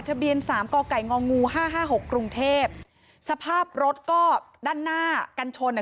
ทะเบียนสามกไก่งองูห้าห้าหกกรุงเทพสภาพรถก็ด้านหน้ากันชนอ่ะ